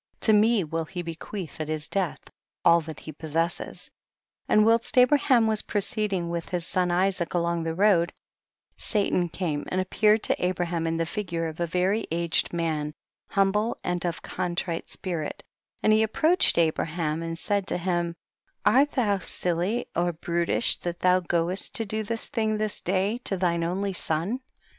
to me will he bequeath at his death all that he possesses. 25. And whilst Abraham was pro ceeding with his son Isaac along the road, Satan came and appeared to Abraham in the figure of a very aged man, humble and of contrite spirit, and he approached Abraham and said to him, art thou silly or brutish, 5 that thou goest to do this thing this day to thine only son